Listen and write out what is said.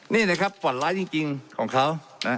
นี่นะครับฝันร้ายจริงของเขานะ